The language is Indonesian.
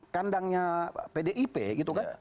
kandangnya pdip gitu kan